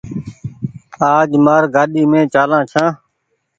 آج مآر گآڏي مين چآلآن ڇآن۔